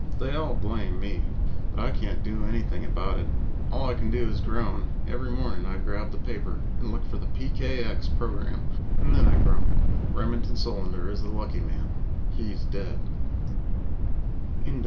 They all blame me, but I can't do anything about it. All I can do is groan every morning I grab the paper and look for the PKX program and then I groan. Remington Solander is the lucky man he's dead.